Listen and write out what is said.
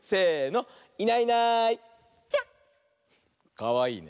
かわいいね。